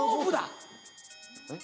えっ？